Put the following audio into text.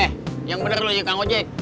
eh yang bener lu juga ngocet